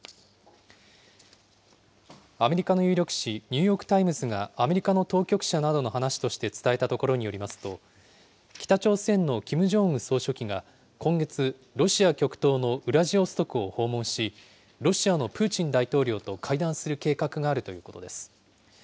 アメリカの有力紙、ニューヨーク・タイムズがアメリカの当局者などの話として伝えたところによりますと、北朝鮮のキム・ジョンウン総書記が今月、ロシア極東のウラジオストクを訪問し、ロシアのプーチン大統領と会談する計画があるということです。